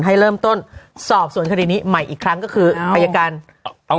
ให้เริ่มต้นสอบส่วนคดีนี้ใหม่อีกครั้งก็คืออายการต้อง